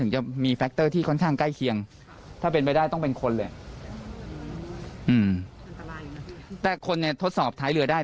จริงก็อยากขอบคุณสสเต้นะ